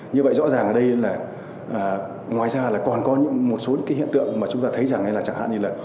như vậy rõ ràng ở đây là ngoài ra là còn có một số cái hiện tượng mà chúng ta thấy rằng là chẳng hạn như là